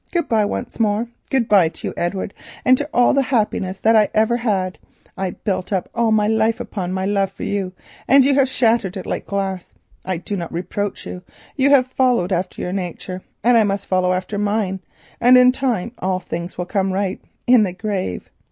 Good bye, once more; good bye to you, Edward, and to all the happiness that I ever had. I built up my life upon my love for you, and you have shattered it like glass. I do not reproach you; you have followed after your nature and I must follow after mine, and in time all things will come right—in the grave.